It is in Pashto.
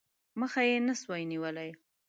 مخه یې نه سوای نیولای.